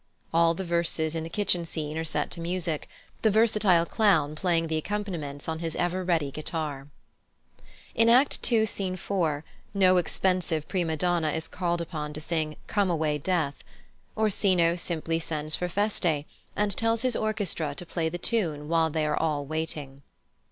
All the verses in the kitchen scene are set to music, the versatile clown playing the accompaniments on his ever ready guitar. In Act ii., Scene 4, no expensive prima donna is called upon to sing "Come away, Death." Orsino simply sends for Feste, and tells his orchestra to play the tune while they are all waiting.